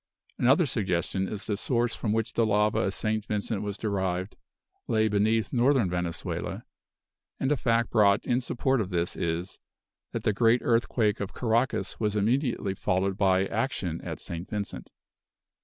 Another suggestion is that the source from which the lava of St. Vincent was derived lay beneath Northern Venezuela; and a fact brought in support of this is, that the great earthquake of Caracas was immediately followed by action at St. Vincent.